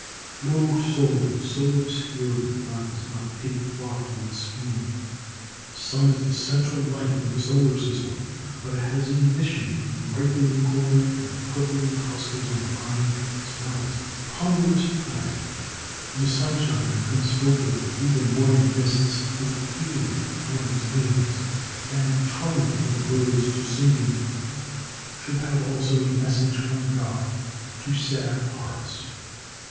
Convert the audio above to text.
No soul is so obscure that God does not take thought for its schooling. The sun is the central light of the solar system; but it has a mission to the ripening corn and the purpling clusters on the vine, as well as the ponderous planet. The sunshine that comes filtering through the morning mists with healing on its wings, and charming all the birds to singing, should have also a message from God to sad hearts.